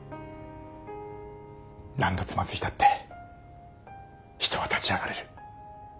何度つまずいたって人は立ち上がれる。